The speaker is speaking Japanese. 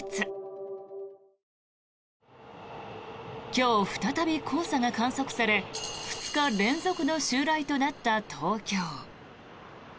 今日、再び黄砂が観測され２日連続の襲来となった東京。